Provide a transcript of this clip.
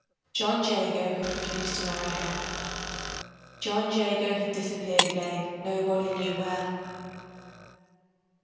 John Jago had refused to marry her. John Jago had disappeared again, nobody knew where.